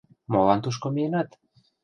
Молан тушко миенат?